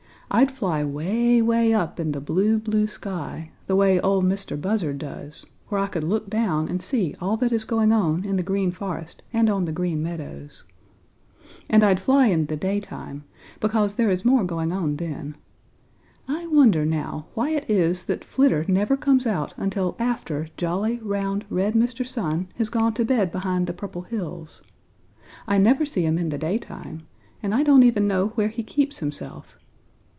I'd fly way, way up in the blue, blue sky, the way Ol' Mistah Buzzard does, where I could look down and see all that is going on in the Green Forest and on the Green Meadows. And I'd fly in the daytime, because there is more going on then. I wonder, now, why it is that Flitter never comes out until after jolly, round, red Mr. Sun has gone to bed behind the Purple Hills. I never see him in the daytime, and I don't even know where he keeps himself.